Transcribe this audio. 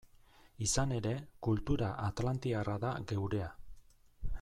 Izan ere, kultura atlantiarra da geurea.